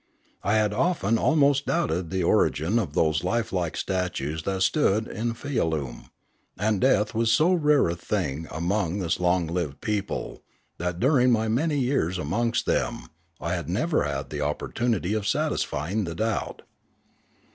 I had often almost doubted the origin of those lifelike statues that stood in Fialume, and death was so rare a thing among this long lived people that during my many years amongst them I had never had the opportunity of satisfying the doubt.